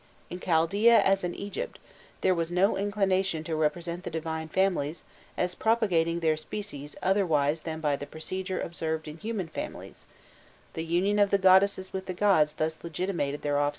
In Chaldaea as in Egypt there was no inclination to represent the divine families as propagating their species otherwise than by the procedure observed in human families: the union of the goddesses with the gods thus legitimated their offspring.